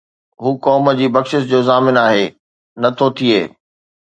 هو قوم جي بخشش جو ضامن آهي، نه ٿو ٿئي